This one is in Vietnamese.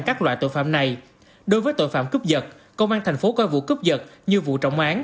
các loại tội phạm này đối với tội phạm cướp vật công an thành phố coi vụ cướp vật như vụ trọng